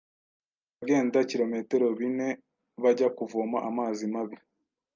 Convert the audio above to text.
Hari abagenda kilometero bine bajya kuvoma amazi mabi